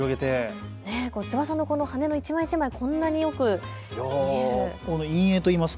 翼の羽の一枚一枚がこんなによく見えるんですね。